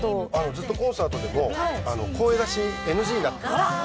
ずっとコンサートでも声出しＮＧだったんです。